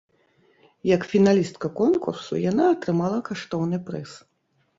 Як фіналістка конкурсу яна атрымала каштоўны прыз.